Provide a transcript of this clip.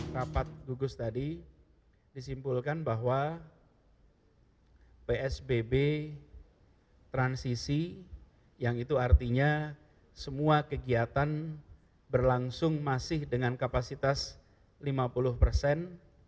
rapat gugus tadi disimpulkan bahwa psbb transisi yang itu artinya semua kegiatan berlangsung masih dengan kapasitas lima puluh persen